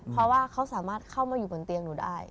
เพราะว่าเขาสามารถเข้ามาอยู่บนเตียงหนูได้